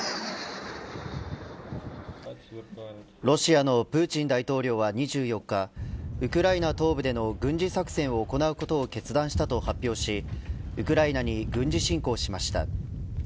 ロシアのプーチン大統領は２４日ウクライナ東部での軍事作戦を行うことを決断したと発表しウクライナに軍事侵攻しました。